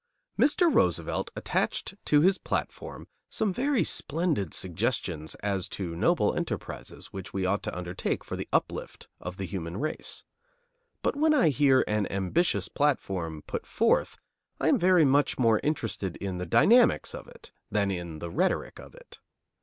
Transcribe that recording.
Mr. Roosevelt attached to his platform some very splendid suggestions as to noble enterprises which we ought to undertake for the uplift of the human race; but when I hear an ambitious platform put forth, I am very much more interested in the dynamics of it than in the rhetoric of it.